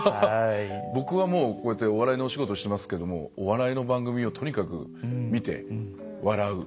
僕は、こうやってお笑いのお仕事してますけどお笑いの番組をとにかく見て笑う。